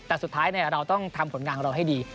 แต่สุดท้ายเราต้องทำผลงานของเราให้ดี